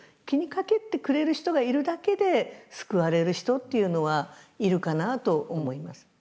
気にかけてくれる人がいるだけで救われる人っていうのはいるかなと思います。